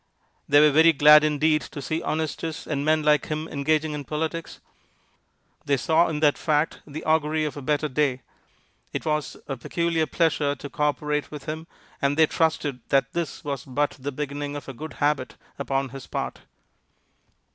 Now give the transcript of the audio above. They were very glad indeed to see Honestus and men like him engaging in politics. They saw in that fact the augury of a better day. It was a peculiar pleasure to co operate with him, and they trusted that this was but the beginning of a good habit upon his part.